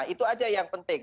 itu aja yang penting